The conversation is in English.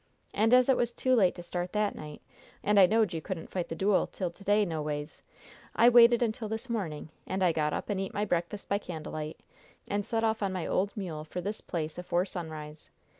And, as it was too late to start that night, and I knowed you couldn't fight the duel till to day noways, I waited until this morning, and I got up and eat my breakfast by candlelight, and set off on my old mule for this place afore sunrise.